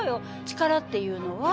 力っていうのは。